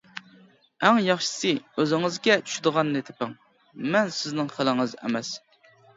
ئەڭ ياخشىسى ئۆزىڭىزگە چۈشىدىغاننى تېپىڭ، مەن سىزنىڭ خىلىڭىز ئەمەس.